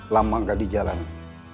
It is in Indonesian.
lama nggak dijalankan